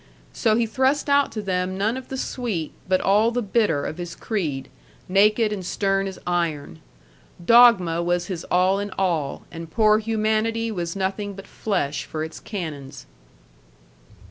So he thrust out to them none of the sweet but all the bitter of his creed, naked and stern as iron. Dogma was his all in all, and poor humanity was nothing but flesh for its canons.